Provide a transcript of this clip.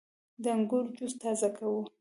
• د انګورو جوس تازه کوي.